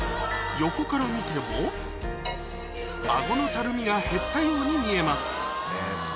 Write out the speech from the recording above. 横から見てもあごのたるみが減ったように見えます